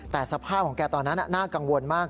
แต่สภาพของแกตอนนั้นน่ากังวลมาก